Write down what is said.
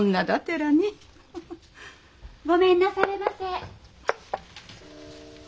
・ごめんなされませ。